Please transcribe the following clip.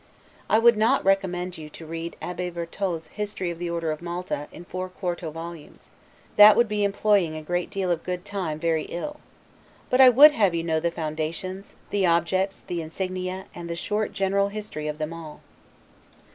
I would not recommend you to read Abbe Vertot's "History of the Order of Malta," in four quarto volumes; that would be employing a great deal of good time very ill. But I would have you know the foundations, the objects, the INSIGNIA, and the short general history of them all.